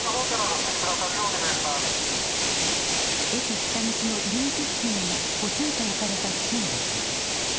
駅北口の入り口付近にぽつんと置かれた不審物。